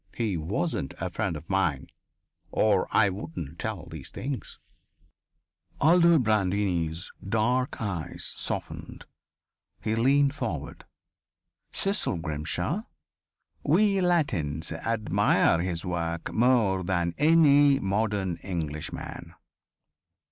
He wasn't a friend of mine, or I wouldn't tell these things." Aldobrandini's dark eyes softened. He leaned forward. "Cecil Grimshaw ... We Latins admire his work more than that of any modern Englishman."